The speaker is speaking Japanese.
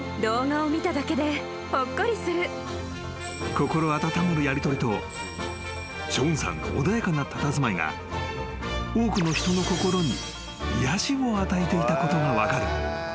［心温まるやりとりとショーンさんの穏やかなたたずまいが多くの人の心に癒やしを与えていたことが分かる］